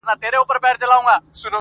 بس یا مو سېل یا مو توپان ولیدی -